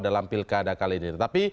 dalam pilkada kali ini tetapi